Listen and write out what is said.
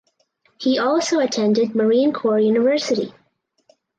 He also attended Marine Corps University.